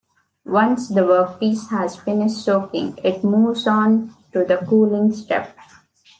Once the workpiece has finished soaking, it moves on to the cooling step.